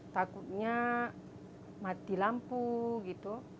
takutnya mati lampu gitu